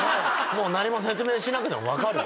もう何も説明しなくても分かる。